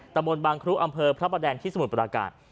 ตะบนบางครุอำเภอพระประแดงที่สมุทรปราการ